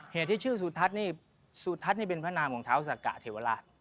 เหตุที่ชื่อสุทัศน์นี่สุทัศน์นี่เป็นพระนามของเท้าสากะเทวราช